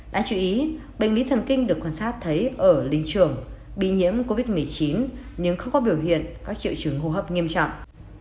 đáng chú ý bệnh lý thần kinh được quan sát thấy ở linh trường bị nhiễm covid một mươi chín nhưng không có biểu hiện các triệu chứng hô hấp nghiêm trọng